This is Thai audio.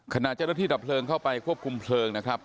ขณะเจ้าหน้าที่ดับเพลิงเข้าไปควบคุมเพลิงนะครับ